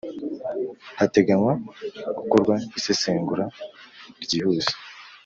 hateganywa gukorwa isesengura ryihuse